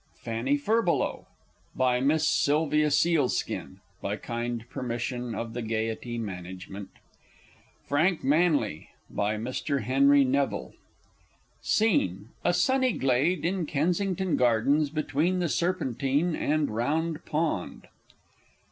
Fanny Furbelow. By Miss SYLVIA SEALSKIN (by kind permission of the Gaiety Management). Frank Manly. By Mr. HENRY NEVILLE. SCENE _A sunny Glade in Kensington Gardens, between the Serpentine and Round Pond.